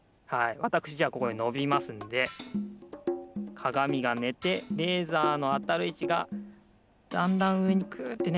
わたくしじゃあここでのびますんでかがみがねてレーザーのあたるいちがだんだんうえにクッてね